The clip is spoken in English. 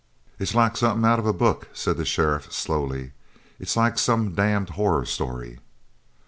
"It's like something out of a book," said the sheriff slowly. "It's like some damned horror story."